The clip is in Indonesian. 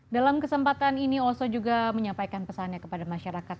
dalam kesempatan ini oso juga menyampaikan pesannya kepada masyarakat